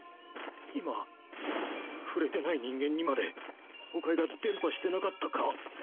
今触れてない人間にまで崩壊が伝播してなかったか！？